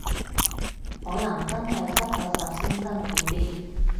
可能真係七八十先辛苦啲